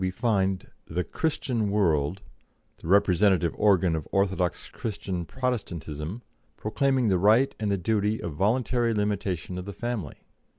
And now, in August, 1893, we find the Christian World, the representative organ of orthodox Christian Protestantism, proclaiming the right and the duty of voluntary limitation of the family.